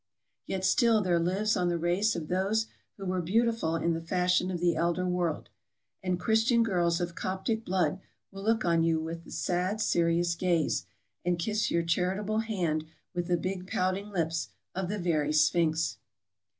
Yet still there lives on the race of those who were beautiful in the fashion of the elder world ; and Christian girls of Coptic blood will look on you with the sad, serious gaze, and kiss your charitable hand with the big pouting lips of the very Sphinx.